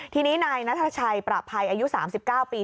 ทีนี้นายนัทชัยประภัยอายุ๓๙ปี